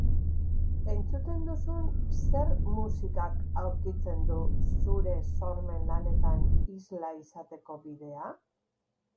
Entzuten duzun zer musikak aurkitzen du zure sormen lanetan isla izateko bidea?